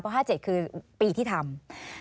มีนับใหม่ที่ทำ๕๗คือปีที่ทำ